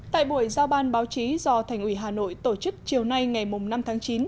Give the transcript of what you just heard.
tại buổi giao ban báo chí do thành ủy hà nội tổ chức chiều nay ngày năm tháng chín